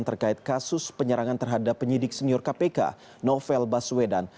terkait kasus penyerangan terhadap penyidik senior kpk novel baswedan